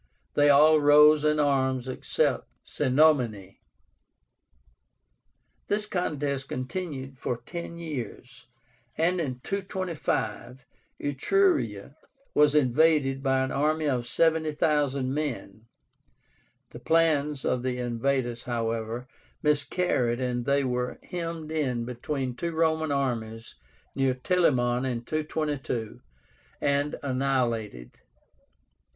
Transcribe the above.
They all rose in arms except the Cenománi. This contest continued for ten years, and in 225 Etruria was invaded by an army of 70,000 men. The plans of the invaders, however, miscarried, and they were hemmed in between two Roman armies near TELAMON in 222, and annihilated.